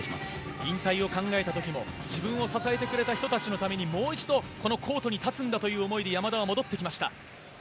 引退を考えた時も自分を支えてくれた人のことを思ってこのコートに立つんだという思いで戻ってきました。